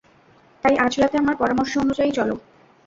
তাই আজ রাতে আমার পরামর্শ অনুযায়ী চলো।